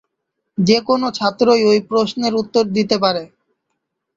যে কোনো ছাত্রই ওই প্রশ্নের উত্তর দিতে পারে।